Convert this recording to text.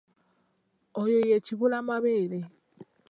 Oyo ye kibulamabeere.